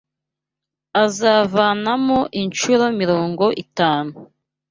azavanamo incuro mirongo itanu